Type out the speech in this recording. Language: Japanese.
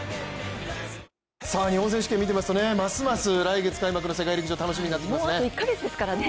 日本選手権見ていますとますます来月開幕の世界陸上楽しみになってきますね。